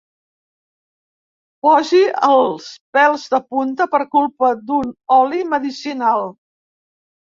Posi els pèls de punta per culpa d'un oli medicinal.